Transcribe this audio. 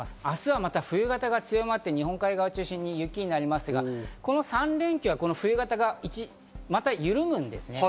明日は冬型が強まって日本海側を中心に雪になりますが、この３連休は冬型が一時緩みます。